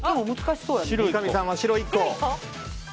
三上さんは白１個。